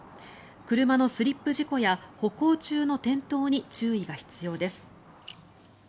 車のスリップ事故や歩行中の転倒に注意が必要です。